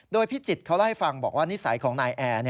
โดยพิจิตรเขาเล่าให้ฟังบอกว่านิสัยของนายแอร์